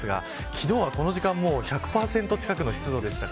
昨日はこの時間１００％近くの湿度でした。